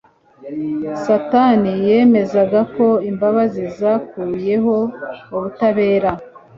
Satani yemezaga ko imbabazi zakuyeho ubutabera.